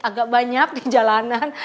agak banyak di jalanan